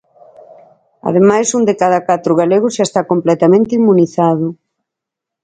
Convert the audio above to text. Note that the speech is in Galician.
Ademais, un de cada catro galegos xa está completamente inmunizado.